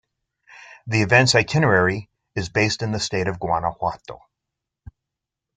The event's itinerary is based in the state of Guanajuato.